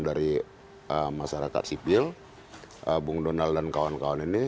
dari masyarakat sipil bung donald dan kawan kawan ini